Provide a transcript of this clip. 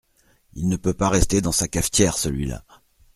Il ne peut pas rester dans sa cafetière, celui-là !…